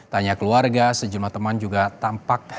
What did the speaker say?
tanya keluarga sejumlah teman juga tampak